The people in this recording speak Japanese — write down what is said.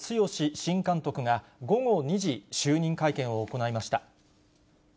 新監督が、午後２時、就任会見を行いました。